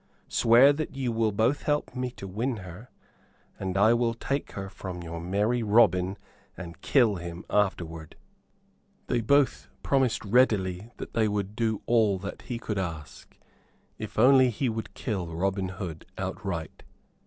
Swear that you both will help me to win her, and I will take her from your merry Robin and kill him afterward." They both promised readily that they would do all that he could ask if only he would kill Robin Hood outright.